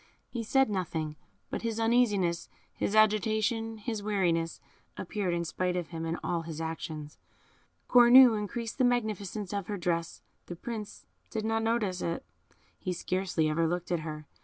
He said nothing, but his uneasiness, his agitation, his weariness, appeared in spite of him in all his actions. Cornue increased the magnificence of her dress; the Prince did not notice it; he scarcely ever looked at her.